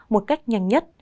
một cách nhanh nhất